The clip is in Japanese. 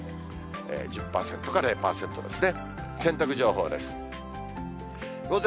１０％から０％ですね。